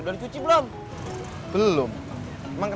latih temp depending dimana